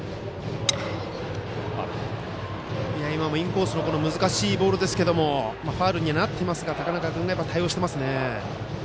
今もインコースの難しいボールでしたがファウルにはなっていますが高中君が対応していますね。